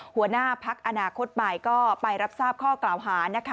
หัวหน้าพักอนาคตใหม่ก็ไปรับทราบข้อกล่าวหานะคะ